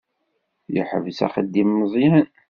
Yeḥbes axeddim Meẓyan.